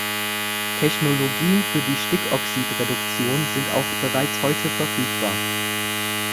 Technologien für die Stickoxidreduktion sind auch bereits heute verfügbar.